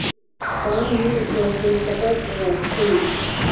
پاڼې د ژوند سفر راښيي